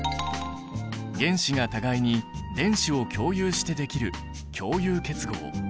原子が互いに電子を共有してできる共有結合。